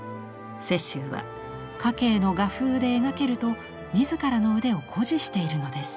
雪舟は夏珪の画風で描けると自らの腕を誇示しているのです。